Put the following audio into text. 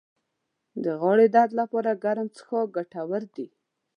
د غاړې درد لپاره ګرم څښاک ګټور دی